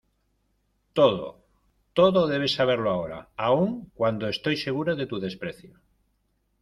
todo, todo debes saberlo ahora , aun cuando estoy segura de tu desprecio...